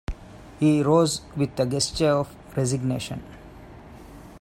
He rose with a gesture of resignation.